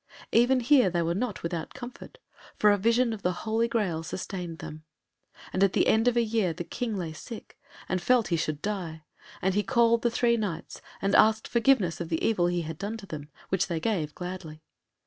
Even here they were not without comfort, for a vision of the Holy Graal sustained them. And at the end of a year the King lay sick and felt he should die, and he called the three Knights and asked forgiveness of the evil he had done to them, which they gave gladly.